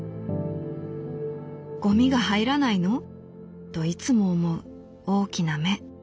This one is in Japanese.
ゴミが入らないの？といつも思う大きな目。